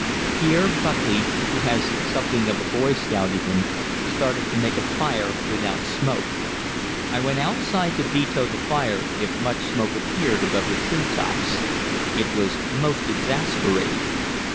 Here Buckley, who has something of the boy scout in him, started to make a fire without smoke. I went outside to veto the fire if much smoke appeared above the tree tops. It was most exasperating.